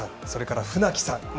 それから船木さん